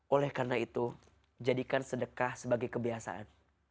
oleh karena itu jadikan sedekah sebagai kebiasaan